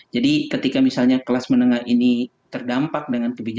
jadi ketika misalnya kelas menengah ini terdampak dengan suku bunga